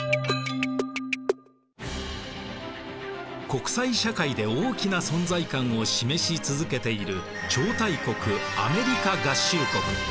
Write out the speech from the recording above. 国際社会で大きな存在感を示し続けている超大国